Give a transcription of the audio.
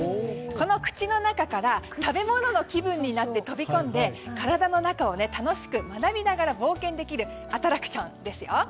この口の中から食べ物の気分になって飛び込んで体の中を楽しく学びながら冒険できるアトラクションですよ。